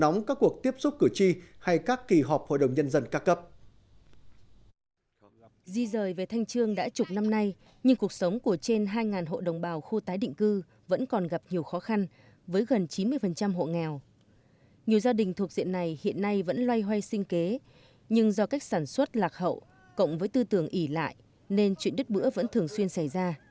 nhiều gia đình thuộc diện này hiện nay vẫn loay hoay sinh kế nhưng do cách sản xuất lạc hậu cộng với tư tưởng ỉ lại nên chuyện đứt bữa vẫn thường xuyên xảy ra